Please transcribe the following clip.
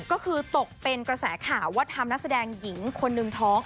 ก็คือตกเป็นกระแสข่าวว่าทำนักแสดงหญิงคนหนึ่งท้อง